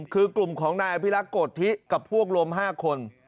คือกลุ่มของนายอภิรักษ์โกธิกับพวกรวม๕คน